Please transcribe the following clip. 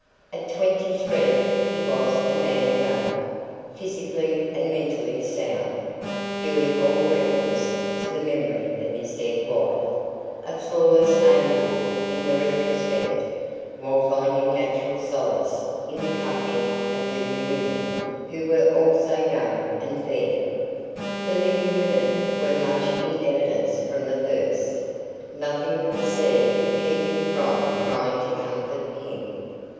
At twenty three he was a man again, physically and mentally sound, doing all reverence to the memory of his dead wife a flawless angel in the retrospect while finding natural solace in the company of living women who were also young and fair. The living women were much in evidence from the first; nothing but the sea could keep them from trying to comfort him.